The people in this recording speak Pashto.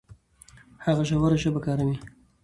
هغه ژوره ژبه کاروي.